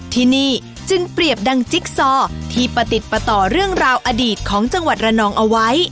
ที่นี่จึงเปรียบดังจิ๊กซอที่ประติดประต่อเรื่องราวอดีตของจังหวัดระนองเอาไว้